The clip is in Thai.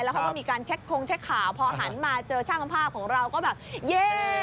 เขาก็มีการเช็คคงเช็คข่าวพอหันมาเจอช่างภาพของเราก็แบบเย่